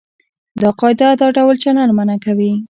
دا قاعده دا ډول چلند منع کوي.